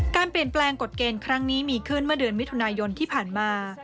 การเปลี่ยนแปลงกฎเกณฑ์ครั้งนี้มีขึ้นเมื่อเดือนมิถุนายนที่ผ่านมา